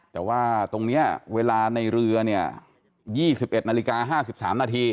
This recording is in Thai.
แต่ว่าตรงนี้เวลาในเรือเนี่ย๒๑นาฬิกา๕๓นาที